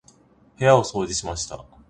部屋を掃除しました。